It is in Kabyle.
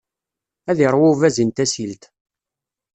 Ad iṛwu ubazin tasilt!